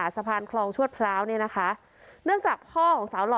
สะพานคลองชวดพร้าวเนี่ยนะคะเนื่องจากพ่อของสาวหล่อ